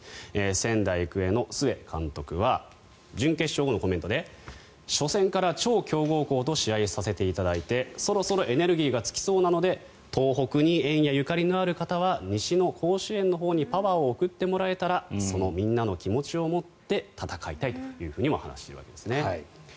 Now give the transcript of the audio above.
仙台育英の須江監督は準決勝後のコメントで初戦から超強豪校と試合させていただいてそろそろエネルギーが尽きそうなので東北に縁やゆかりのある方は西の甲子園のほうにパワーを送ってもらえたらそのみんなの気持ちを持って戦いたいと話しているわけです。